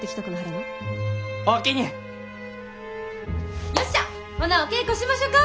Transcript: よっしゃほなお稽古しましょか。